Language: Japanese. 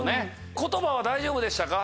言葉は大丈夫でしたか？